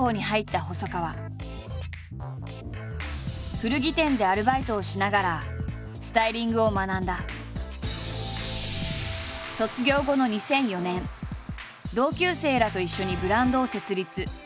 古着店でアルバイトをしながら卒業後の２００４年同級生らと一緒にブランドを設立。